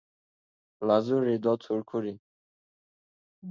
Lazuri do Turkuri?